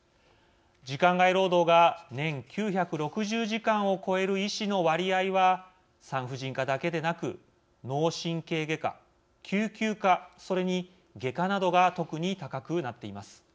時間外労働が年９６０時間を超える医師の割合は産婦人科だけでなく脳神経外科、救急科それに外科などが特に高くなっています。